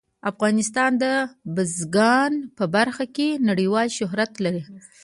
افغانستان د بزګان په برخه کې نړیوال شهرت لري.